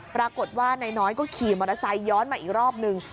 ปรากฏว่านายน้อยก็ขี่มอเตอร์ไซค์ย้อนมาอีกรอบนึง